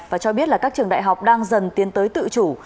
và cho biết là các trường đại học đang dần tiến tới tự chủ